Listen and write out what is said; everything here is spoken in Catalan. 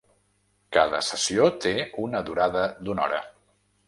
Cada sessió té una durada d’una hora.